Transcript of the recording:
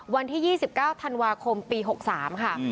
วันที่๒๙ธันวาคมปี๖๓ค่ะ